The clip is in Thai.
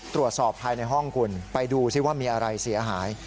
ตรวจสอบภายในห้องคุณไปดูซิว่ามีอะไรเสียหาย